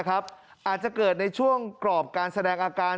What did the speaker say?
อาจจะเกิดในช่วงกรอบการแสดงอาการ